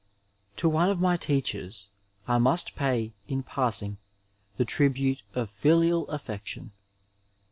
To one of my teachers I must pay in passing the tribute of filial affection.